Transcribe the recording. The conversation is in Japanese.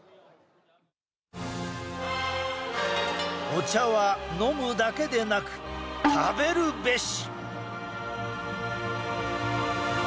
お茶は飲むだけでなく食べるべし！